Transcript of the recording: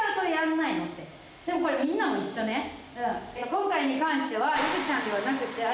今回に関してはいぶちゃんではなくてあ